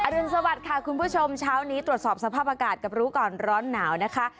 รุนสวัสดิ์ค่ะคุณผู้ชมเช้านี้ตรวจสอบสภาพอากาศกับรู้ก่อนร้อนหนาวนะคะ